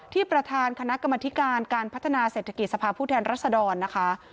ประธานคณะกรรมธิการการพัฒนาเศรษฐกิจสภาพผู้แทนรัศดรนะคะ